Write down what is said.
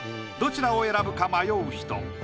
どちらを選ぶか迷う人。